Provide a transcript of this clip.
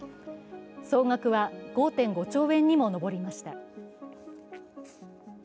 総額は５．５兆円にも上りました。